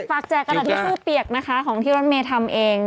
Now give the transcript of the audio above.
ฝากแจกระดาษชู้เปียกนะคะของที่รสเมย์ทำเอง